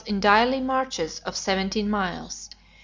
in daily marches of seventeen miles.